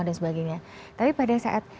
dan sebagainya tapi pada saat